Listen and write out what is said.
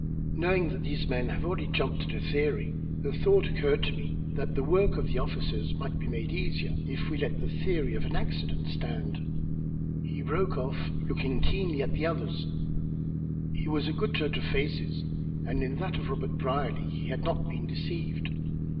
Knowing that these men have already jumped at a theory, the thought occurred to me that the work of the officers might be made easier if we let the theory of accident stand." He broke off, looking keenly at the other. He was a good judge of faces, and in that of Robert Brierly he had not been deceived.